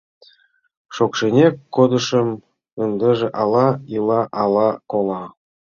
Шокшынек кондышым, ындыже ала ила, ала кола...